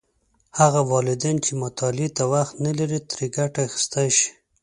هغه والدین چې مطالعې ته وخت نه لري، ترې ګټه اخیستلی شي.